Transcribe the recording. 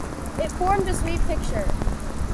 It formed a sweet picture.